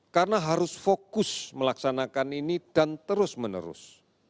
karena harus fokus melaksanakan ini dan terus menerus